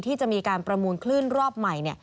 ที่จะมีการประมูลคลื่นรอบใหม่